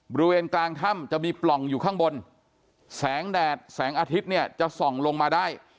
บริเวณกลางถ้ำจะมีปล่องอยู่ข้างบนแสงแดดแสงอาทิตย์เนี่ยจะส่องลงมาได้